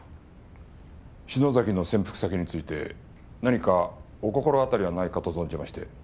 篠崎の潜伏先について何かお心当たりはないかと存じまして。